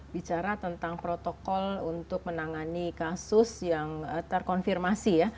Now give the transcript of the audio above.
bicara tentang protokol untuk menangani kasus yang terkonfirmasi ya